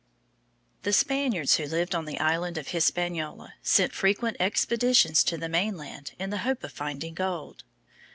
The Spaniards who lived on the island of Hispaniola sent frequent expeditions to the mainland in the hope of finding gold.